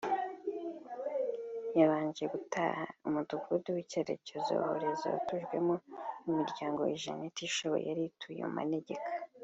yabanje gutaha umudugudu w’icyitegererezo wa Horezo watujwemo imiryango ijana itishoboye yari ituye mu manegeka